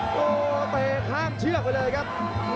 โอ้โหเตะข้ามเชือกไปเลยครับ